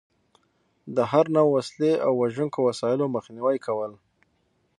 د هر نوع وسلې او وژونکو وسایلو مخنیوی کول.